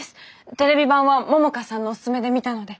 テレビ版は桃香さんのオススメで見たので。